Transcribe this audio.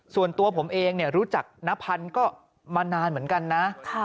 ส่วนตัวผมเองรู้จักน้าพันธุ์ก็มานานเหมือนกันนะ